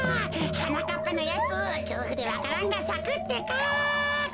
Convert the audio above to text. はなかっぱのやつきょうふでわか蘭がさくってか。